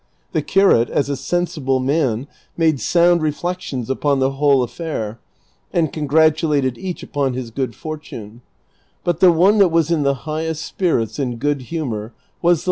The curate as a sensible man made sound reflections upon the whole affair, and congratulated each upon his good fortune ; but the one that was in the highest spirits and good humor was the CHAPTER XXX VII